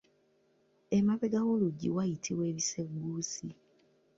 Emabega w’oluggi wayitibwa ebisegguusi.